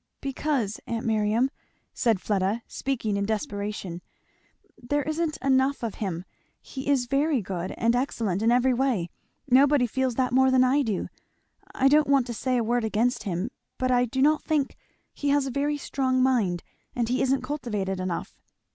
"Because, aunt Miriam," said Fleda speaking in desperation, "there isn't enough of him. He is very good and excellent in every way nobody feels that more than I do I don't want to say a word against him but I do not think he has a very strong mind; and he isn't cultivated enough."